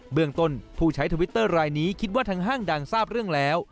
เมืองต้นผู้ใช้ทวิตเตอร์รายนี้คิดว่าทางห้างดังทราบเรื่องแล้ว